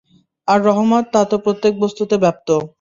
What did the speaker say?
আমার রহমত তা তো প্রত্যেক বস্তুতে ব্যাপ্ত।